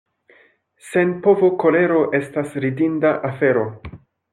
Sen povo kolero estas ridinda afero.